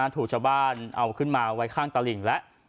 ถูกชาวบ้านเอาขึ้นมาไว้ข้างตลิ่งแล้ว